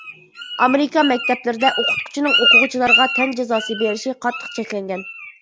ئامېرىكا مەكتەپلىرىدە ئوقۇتقۇچىنىڭ ئوقۇغۇچىلارغا تەن جازاسى بېرىشى قاتتىق چەكلەنگەن.